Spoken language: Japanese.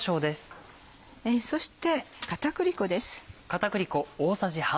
そして片栗粉です。